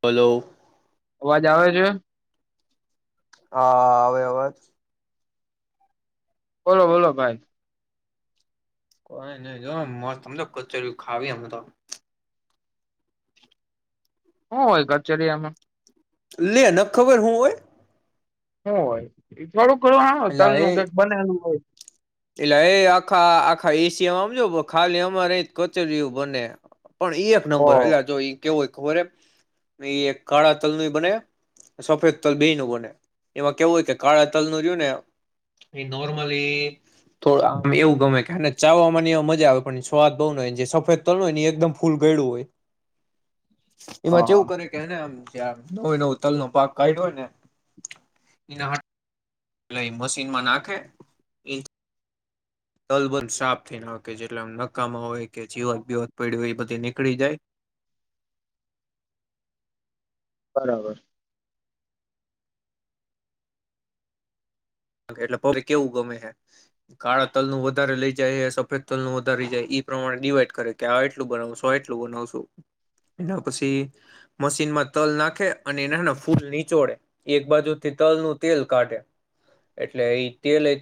Hello અવાજ આવે છે? હા હવે અવાજ બોલો બોલો ભાઈ કોઈ નહી જો મસ્તમ તો કચર ખાવી અમ તો શું હોય કચરિયામાં લે ન ખબર હું હોય? હ હોય વાડું કરું હ તલ નું કઈક બનેું હોય એટલે એ આખા આખા એસીમાં આમજો ખાલી અમારેહી કચરું બને પણ એ એક ઓ નંબર એટલે જો કેવો ખબર એ કાળા તલ ન બને સફેદ તલ બે નું બને એમાં કેવું હોય કે કાળા તલ નું જોય ને એ નોર્મલી તો આમ એવું ગમે કે અને ચા ની મજા આવે પણ સ્વાદ બઉુ ન હોય જે સફેદ તલ હોય એકદમ ફૂલ ગયડું હોય. એમાં હા કેવું કરે કે હને આમ છેમ નવય નવ તલ નો ભાગ કા્યો હોય ને એના એટલે એ મશીનમાં નાખે એ તલબંધ સાફ થઈ નાખ જેટલા નકામા હોય કે જીવાત બીવત પડી હોય એ બધી નીકળી જાય, બરાબર એટલે કેવું ગમે કાળા તલ નું વધારે લઈ જાય સફેદ તલ નું વધારે લઈ જાય, એ પ્રમાણે ડિવાઈડ કરે કે આ એટલું બનાવશો આ એટલું બનાવશું એના પછી મશીનમાં તલ નાખે અને એના ફૂલ નીચોડે એક બાજુથી તલનું તેલ કાઢે એટલે એ તેલ એ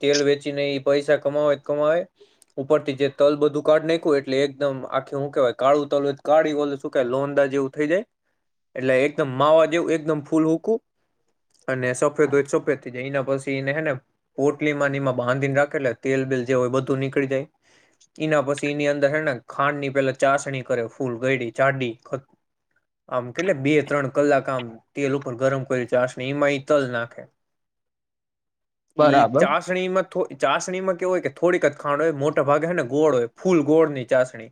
તેલ વેચીને એ પૈસા કમાવે કમાવે ઉપરથી જે તલ બધું કાઢ નાકું એટલે એકદમ આખી હું કવાય કાળું તલ હોય કાળી સુકાય લોંદા જેવું થઈ જાય એટલે એકદમ માવા જેવું એકદમ ફૂલ હૂકું અને સફેદ હોય સફેદ થઈ જાય એના પછી એનેેને પોટલી માં એમાં બાંધીને રાખે એટલે તેલ બેલ જેું હોય, બધું નીકળી જાય એના પછી એની અંદર હેને ખાંડ ની પેલા ચાસણી કરે ફૂલ ગડી ચાડી આમ કેટલે બે ત્રણ કલાક આમ તેલ ઉપર ગરમ કરે ચાસણી એમાં ઈ તલ નાખે એ બરાબર ચાસણીમાં ચાસણીમાં હોય કે થોડીક જ ખાંડ હોય મોટા ભાગે હેને ગોળ હોય ફૂલ ગોળની ચાસણી.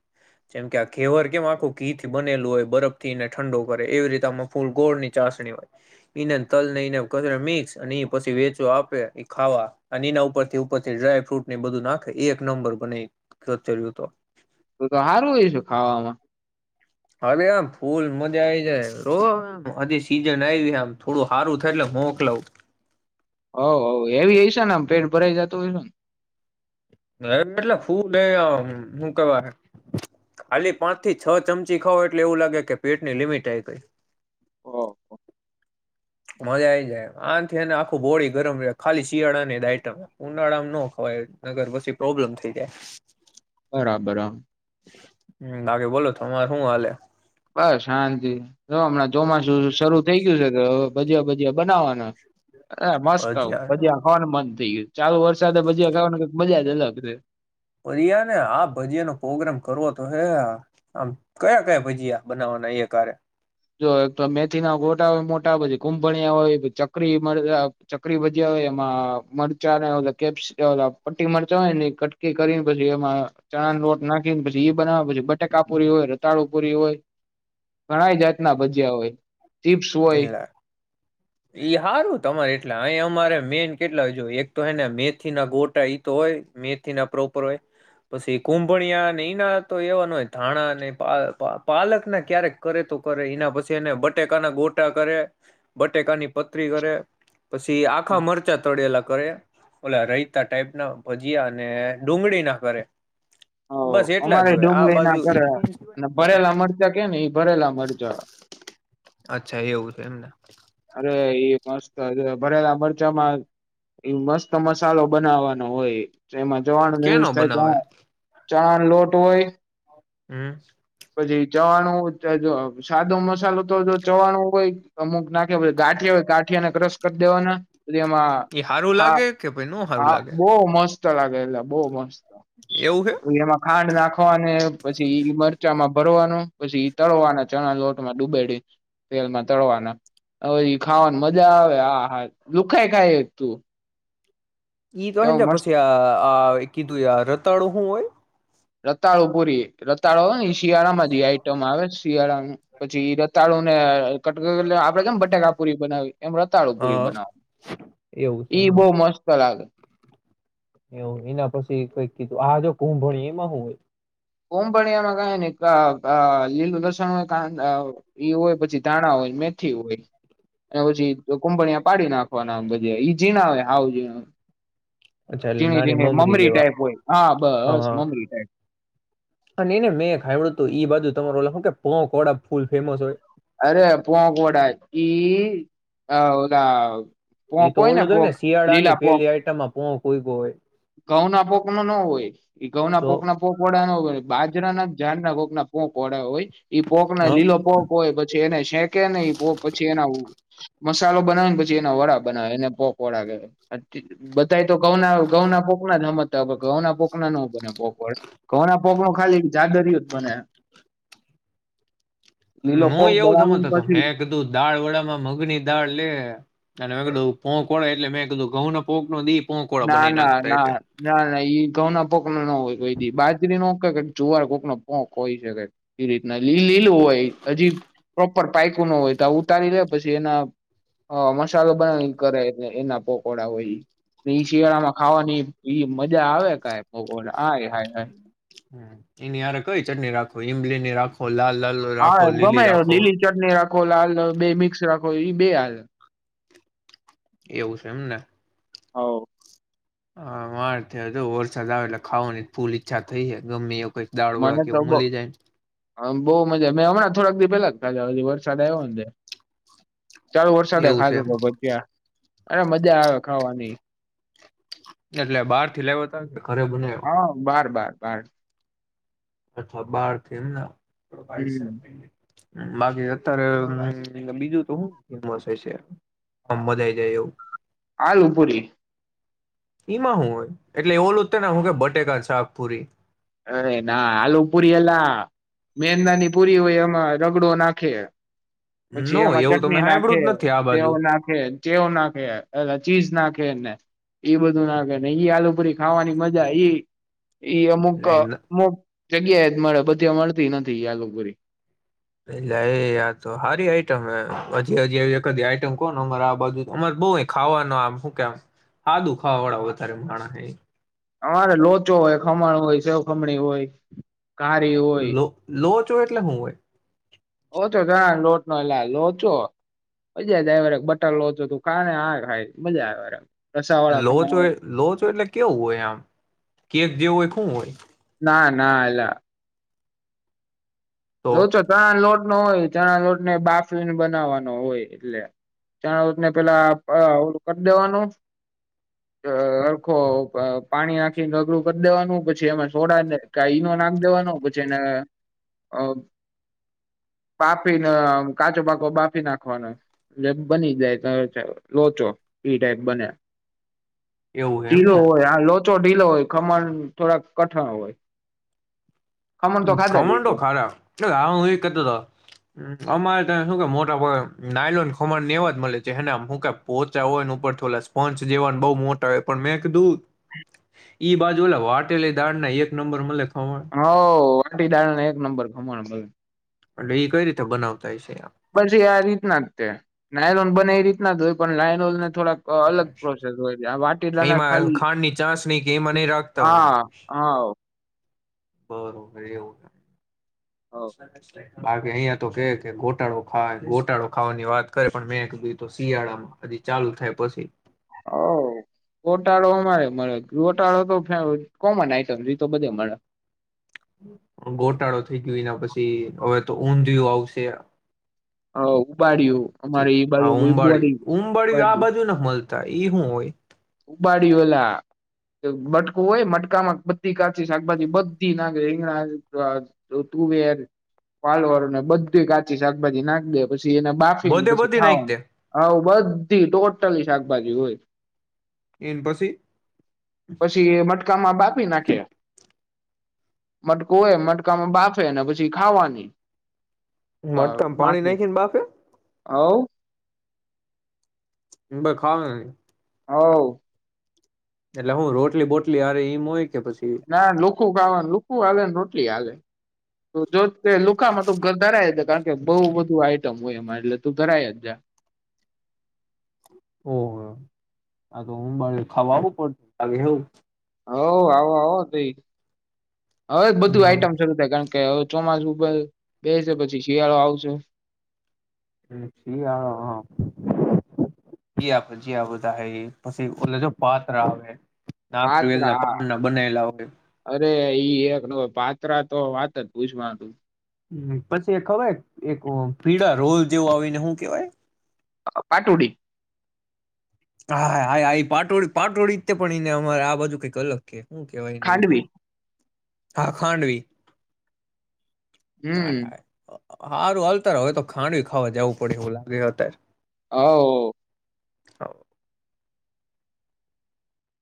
પછી વેચો આપે એ ખાવા અને એના ઉપરથી ઉપરથી ડ્રાયફ્રૂટને બધું નાખે એક નંબર બને કરચર્યુંતો. તું તો હારું [unintelligible] ખાવામાં. હરે આમ ફૂલ મજા આયી જાય તો હજી સીઝન આયવી આમ થોડું હારું થાય એટલે મોકલાવું. હોવ હોવ એવી ઈ છેને પેટ ભરાઈ જતું હોય. એટલે ફૂ [unintelligible] મુકવા ખાલી પાંચથી છ ચમચી ખાવ એટલે એવું લાગે કે પેટની લિમિટ આય ગઈ. ઓહ. મજા આઈ જાય આથી અને આખું બોડી ગરમ રહે ખાલી શિયાળાને [unintelligible] ઉનાળામાં નો ખવાય નગર પછી પ્રોબ્લેમ થઈ જાય. બરાબર. [unintelligible] લાગે બોલો તમાર હું હાલે. બસ શાંતિ જો હમણાં ચોમાસું શરૂ થઈ ગયું [inaudible] ભજીયા ભજીયા બનાવાનાં. એ મસ્ત આવ ભજીયા ભજીયાં ખાવાનું મન. [inaudible] ચાલુ વરસાદે ભજીયા ખાવાનું મજા જ અલગ રે. અિયાને હા ભજીયાનો પ્રોગ્રામ કરવોતો હે [unintelligible] કયા કયા ભજીયા બનાવાના એ કારે. જો એકતો મેથીનાં ગોટા હોય મોટા પછી કુંભણિયા હોય ચકરી મરચાં ચકરી ભજયા હોય એમાં મરચાંને કે પટ્ટી મરચાં હોયને કટકી કરીને પછી એમાં ચણાનો લોટ નાખીને પછી ઈ બનાવ પછી બટેકાપુરી [unintelligible] પુરી હોય ઘણાાય જાત. ના ભજ્યાં હોય. ચીપ્સ હોય. એ હારું તમારે એટલા અહી અમારે મેન કેટલા જો એકતો હેને મેથીનાં ગોટા ઈતો હોય મેથીનાં પ્રોપર હોય પછી કુંભણિયાને એના તો એવા ન હોય ધાણાંને [unintelligible] પાલકનાં ક્યારેક કરે તો કરે એના પછી એને બટેકાનાં ગોટ [unintelligible] કરે બટેકાની પતરી [unintelligible] પછી આખાં મરચાં તડેલા. કયૉ ઓલા [unintelligible] રાયતાં ટાઈપનાં ભજયા અને ડુંગળીનાં કરે. હ બસ એટલા અમારે જ હોય આ ડુંગળીનાં બાજુ ઈ કરે સિવાય અને ન હોતા. ભરેલા મરચાં કેને ઈ ભરેલા મરચાં. અચ્છા એવું છે, એમને. અરે એ મસ્ત ભરેલા મરચામાં એ મસ્ત મસાલો. એમાં જવાનું કેનો ને બનાવે [inaudible] ચાર લોટ હોય. હમ. પછી ચવાણું જો સાદો મસાલો તો જો ચવાણું હોય અમુક નાખે ગાંઠિયા હોય ગાંઠિયાને ક્રશ કરી દેવાનાં તેમાં એ હારું ખા લાગે કે પછ ન હારું હા લાગે બો મસ લાગે એટલે બો મસ્ત. એવું હે? એમાં ખાંડ નાખ. વાને પછી [inaudible] માં ભરવાનું પછી તળવાનાં ચણા લોટમાં ડૂબેડી તેલમાં તળવાના. હવેઈ ખાવાનું મજા આવે આ. હા, દુઃખાય કાય તું. [unintelligible] એવો મસ્ત પછી આ કીધું યાર રતાડું હું હોય. રતાળુ પૂરી રતાળો અવે ને શિયાળામાં જે આઈટમ આવેચ. શિયાળાનું પછી રતાળુને કટટક આપડે કેમ બટાકાપુરી બનાવી. એમ રતાળુ પુરી હા બનાવ એવું છે ઈ એમને બહ મસ્ત લાગે. એવું એના પછી કઈક કીધું આ જો કું ભણી એમાં હું ઑય. કોભણિયામાં કય ની અ લીલું લસણ હોય ક ઈ હોય પછી ધાણા હોય મેથી હોય અને પછી કોભણિયા પાડી નાખવાના ભજીયા ઝીણા હોય હાવ જીણા. અચ્છા એટલે ઝીણી નાની ઝીણી મમરી જેવા ટાઈપ હોય, હા બસ હા મમરી ટાઈપ. અને નઈ મેં ખાઈડ્યું તું ઈ બાજુ તમારો લું કે પળ ફૂલ ફેમસ હોય. અરે પોવા કોડા ઈ આ ઓ [unintelligible] ઈ તો ઓલું થ હોય ને શિયાળા ની પેલી આઈટમમાં પો કોય કો હોઈ ઘઉં ના પોક નો ના હોય એ ઘઉં ના તો પોક ના પોક વાળા ન હોય બાજરા ના જાન ના ભોગ ના પોકળા હોય. ઈ પોક હા. લીલો પોક હોય પછી એને શેંકે ને પોક પછી એના મસાલો બનાવે ને પછી એના વડા બનાવે એને પોક વડા કેહેવા [unintelligible] બતાય. તો ઘઉના ઘઉના [unintelligible] ના જમતતા ઘઉંના પોક ના ન બને પોપળ ઘઉંના પોક ન ખાલી જાદરય જ બને. લીલો નું પોક એવું દળાવીને હમજતાતા પછી મેં કીધું દાળ વડામાં મગની દાળ લે. અને મેં કીધું પોંક એટલે મેં કીધું ઘઉ પોંક નો દીપ ના ના ના ના ના ઈ. ઘઉ ના પોક ના હોય બાજરી ન જુવાર કોક ન પોક હોય છેકે એ રીતના લી લીલું હોય હજી પ્રોપર પાયકું ન હોય તો ઉતારી લે પછી એના અ મસાલો બનાવી કરે એના પકોડા હોય ઈ. એ શિયાળા માં ખાવાની ઈ મજા આવે કય આય હાય હાય. હમ્મ એનીયાર કઈ ચટણી રાખો ઈમલી ની રાખો લાલ લાલ હા રાખો લીલી ગમે રાખો લીલી ચટણી રાખો લાલ બે મિક્સ રાખો એ બે હાલે. એવું છે એમને. હવ. હા માર થ હતો વરસાદ આવે એટલે ખાવવા ની ફૂલ ઈચ્છા થઈ છે ગમે એ કઈક દાળ વોળ કેવું મલી જાય. હમ બહુ મજા મેં હમણાં થોડાક દી પેહલા ખાદા [unintelligible] વરસાદ આવ્યો ને તે. ચાલુ વરસાદે એવું છે ખાધો એમ. તો ભજ્યાં. અરે મજા આવે ખાવાની. એટલે બહાર થી લાવતા કે ઘરે બના્યા. બારથી. અચ્છા બારથી એમને. હમ [unintelligible] પીને બાકી અત્યારે બીજું તો હુ ફમસ હશે, આમ બજાઈ જાય એવું. આલુપુરી. એમાં શું હોય એટલે એ ઓલું હું કે બટેકા શાકપુરી. અરે ના આલુ પુરી એલા મેંદાની પુરી હોય એમાં રગડો નાખે. પછી નો એમાં એવું તો મેં ચટણી નાખે, હાંભળ્યું જ નથી આ તેવ બાજુ નાખે, ચેવ નાખે, ચીઝ નાખે છે ને એ બધું નાખે ને ઈ આલુ પુરી ખાવાની મજા ઈ ઈ ક મુ જગ્યા એ જ મળે બધી મળતી નથી, આલુપુરી. એલે એ આ તો સારી આઈટમ હે. હજી હજી એવી એક આઈટમ કોણ અમર આ બાજુ અમારે બઉ ખાવાનું આમ શું કેમ સાાદું ખાવા વાળા વધારે માણસ. અરે લોચો હોય, ખમણ હોય, સેવખમણી હોય ઘારી હોય લો લોટ એટલે હું હોય? ઓ તો તા લોટ એલા લોચો, મજા જ વા બટર લોચો તું ખા ને આ ખાય મજા આવે રસા વાળા લો જો ખમણ લો જો એટલે કેવું હોય આમ. કે જે હોય શું હોય? ના ના એલા. તો લોચો ચણા લોટ નો હોય ચણા લોટ ને બાફને બનાવવાનો હોય એટલે ચણા લોટને પેલા ઓળું કરી દેવાનું અરખો પ પાણી નાખીને અઘળું કરી દેવાનું પછી એમાં સોડાને કા ઈનો નાખી દેવાનો પછીને અ પાપીને કાચો પાકો બાફી નાખવાનો એટલે બની જાય [inaudible] લોચો. એ ટાઈપ બને. એવું એમ ઢીલો ને હોય હા લોચો ઢીલો હોય ખમણ થોડાક કઠણ હોય. ખમણ તો ખાધા જ હયશે. ખમણતો ખરા હા હું એ કરતો તો અમારે ત શું મોટા પ નાયલોન ખમણ ને એવા જ મળે છેને હું પોચા હોય ને ઉપરો સ્પંચ જેવાને બઉ મોટા હોય પણ મેં કીધું [inaudible] ઈ બાજુ વાટેલી દાડ ના એક નંબર મલે ટી દાળના એક નંબર ખમણ મળે. એટલે ઈ કઈ રીતે બનાવતા હયશે? બસ એ આ રીતના જ તે લયનોન બને એ રીતના જ હોય પણ લાયનોલ થોડાક અલગ પ્રોસેસ હોય છે. વાટીદના એમાં ખાલી, ખાંડની ચાસણી કે એમાં નહી રાખતા હા, હા. બો રોવે એવું. હોવ [inaudible] બાકી અહીિયા તો કે કે ગોટાળો ખાય ગોટાળો ખાવાની વાત કરે પણ મેં કીધ શિયાળામાં હજી ચાલુ થાય પછી. હવ ગોટાળો અમારે મળે ગોટાળો તો કોમન આઈટમ એ તો બધે મળે. ગોટાળો થઈ ગયો એના પછી હવે તો ઊંધિયું આવશે. હા ઉબાડ્યું પછી અમારે એ બાજુ હા ઉંબાડિયું ઉંબાડિયું આ બળિયું બાજુ ના મળતા ઈ શું હોય? ઉબાડીયુ લા. મટકું હોય મટકામાં બધી કાચી શાકભાજી બધી નાખે રીગણા, તુવેર, પાલર અને બધી કાચી શાકભાજી નાખી દે પછી પછી એને બાફીને બધે પછી બધી નાખી ખાવાનું દે હ બધી ટોટલી શાક બાજુ હોય એને પછી પછી મટકામાં બાફી નાખ્યા મટકું હોય મટકામાં બાફે ને પછી ખાવાની મટકામા પાણી નાખી કે ને બાફે આવ ભાઈ ખાવાનો કે ની હોવ એટલે હું રોટલી બોટલી હારે એમ હોય કે પછી ના લોકો ગાવા કુ આલે રોટલી હાલે જો લુકામાં તો ધરાય જ કારણ કે બઉુ બધું આઈટમ હોય એમાં એટલે તું ધરાય જ જા ઓ આ તો હું મા ખાવાું પડતું એવું હ આવો આવો તઈ હવે બધું આઈટમ શિયાળો શરૂ થાય કારણ કે કે હવે ચોમાસું ઉપર બેસે પછી શિયાળો આવશે શિયાળો હ ભજીયા બધા પછી જો પાત્રા આવે નાગવેલ ના પાત્રા પાન ના બનેલા હોય અરે ઈ એ પાત્ર ત્રા તો વાત જ પુછવાનું પછી ખબર એક પીળ રોલ જેવો આવીને શું કેવાય પાટોડી હા હા પાટોળી પાટોળતે પણ એને અમારે આ બાજુ કઈક અલગ કે હું કેવાયને બીજું ખાંડવી હા ખાડવી હમ [inaudible] હારું હલતારવે તો ખાડવી ખાવા જવું પડે એવું લાગે અત્યારે [inaudible] [inaudible]